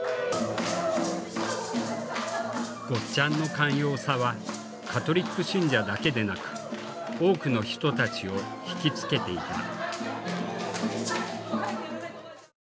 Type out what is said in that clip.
ゴッちゃんの寛容さはカトリック信者だけでなく多くの人たちを惹きつけていた。